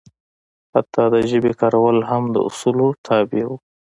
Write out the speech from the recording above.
حتی د ژبې کارول هم د اصولو تابع وو.